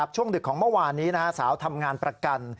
ดึกของเมื่อวานนี้สาวทำงานประกัน